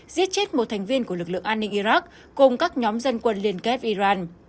giết chết một thành viên của lực lượng an ninh iraq cùng các nhóm dân quân liên kết iran